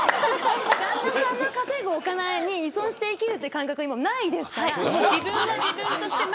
旦那さんの稼ぐお金に依存して生きるっていう感覚は今ないですから。